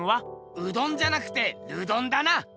うどんじゃなくてルドンだな！